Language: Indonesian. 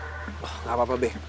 oh gak apa apa be